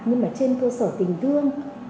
nhưng mà trên cơ sở tình thương